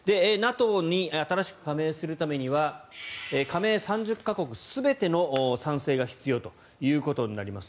ＮＡＴＯに新しく加盟するためには加盟３０か国全ての賛成が必要ということになります。